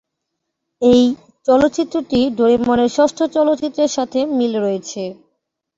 এই চলচ্চিত্রটি ডোরেমনের ষষ্ঠ চলচ্চিত্রের সাথে মিল রয়েছে।